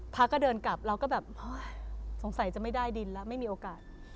พระก็เดินกลับเราก็แบบสงสัยจะไม่ได้ดินแล้วไม่มีโอกาส